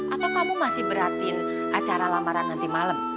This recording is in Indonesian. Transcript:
atau kamu masih beratin acara lamaran nanti malam